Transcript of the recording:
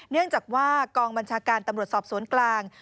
เนื่องจากว่ากองบัญชาการตำรวจสอบสวนกลาง